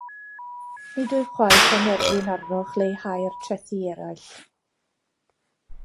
Nid wyf chwaith am erfyn arnoch leihau'r trethi eraill.